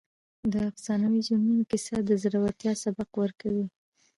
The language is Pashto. د افسانوي جنونو کیسه د زړورتیا سبق ورکوي.